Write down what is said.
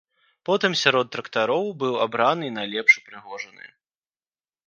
Потым сярод трактароў быў абраны найлепш упрыгожаны.